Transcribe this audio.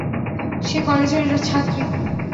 সে কলেজের ছাত্রী।